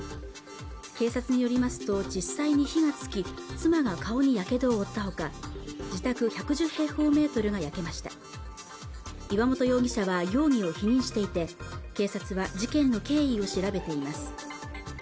警察によりますと実際に火がつき妻が顔にやけどを負ったほか自宅１１０平方メートルが焼けました岩本容疑者は容疑を否認していて警察は事件の経緯を調べています